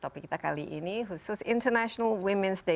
topik kita kali ini khusus internasional women's day